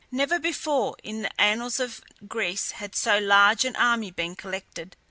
Never before in the annals of Greece had so large an army been collected.